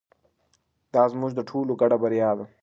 دا زموږ د ټولو ګډه بریا ده.